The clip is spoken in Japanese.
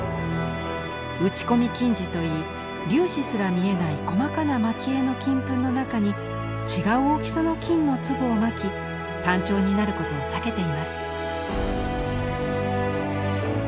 「打ち込み金地」といい粒子すら見えない細かな蒔絵の金粉の中に違う大きさの金の粒をまき単調になることを避けています。